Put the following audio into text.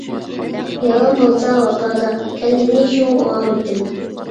يارىم بولسا ۋاپادار، كەلگىنى شۇ ئامىتىم.